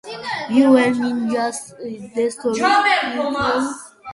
Your engine just destroyed itself.